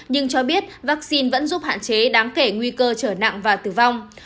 nhưng cho biết vaccine vẫn giúp hạn chế đáng kể nguy cơ trở nặng và tử vong